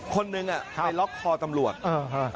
คนหนึ่งไปล็อกคอตำรวจ